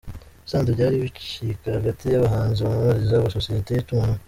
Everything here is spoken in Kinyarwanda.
Musanze Byari ibicika hagati y’abahanzi bamamariza amasosiyete y’itumanaho